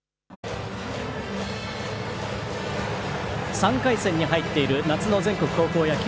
３回戦に入っている夏の全国高校野球。